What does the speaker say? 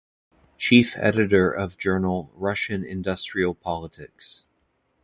Chief editor of journal "Russian Industrial Politics".